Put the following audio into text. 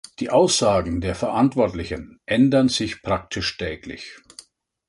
Die Aussagen der Verantwortlichen ändern sich praktisch täglich.